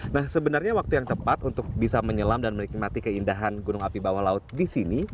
nah sebenarnya waktu yang tepat untuk bisa menyelam dan menikmati keindahan gunung api bawah laut di sini